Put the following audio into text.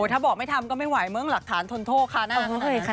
ถ้าบอกไม่ทำก็ไม่ไหวเมื่องหลักฐานทนโทพคานั้น